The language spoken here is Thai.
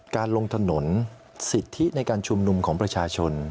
การลงถนนสิทธิในการชุมนุมของประชาชน